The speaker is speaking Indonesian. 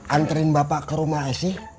anterin bapak ke rumah esi